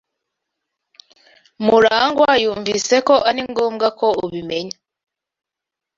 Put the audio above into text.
Murangwa yumvise ko ari ngombwa ko ubimenya.